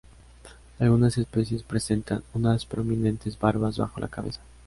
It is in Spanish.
Algunas especies presentan unas prominentes barbas bajo la cabeza.